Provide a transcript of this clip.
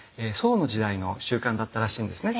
宋の時代の習慣だったらしいんですね。